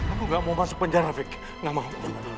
aku enggak mau masuk penjara vic enggak mau